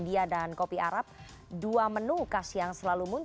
dan mas doni gahral yang sudah bergabung